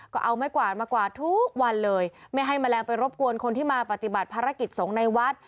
ก็เอาไม้กวาดมากวาดทุกวันเลยไม่ให้แมลงไปรบกวนคนที่มาปฏิบัติภารกิจสงฆ์ในวัด